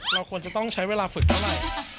เราควรจะต้องใช้เวลาฝึกเท่าไหร่